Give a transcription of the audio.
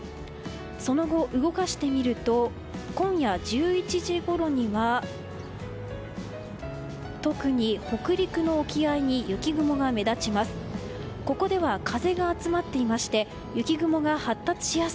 その後、動かしてみると今夜１１時ごろには特に北陸の沖合に雪雲が目立ちます。